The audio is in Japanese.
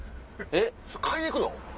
それ買いに行くの？